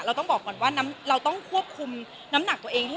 เราต้องบอกว่าน้ำหนักตัวเอง